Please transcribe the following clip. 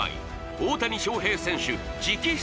大谷翔平選手直筆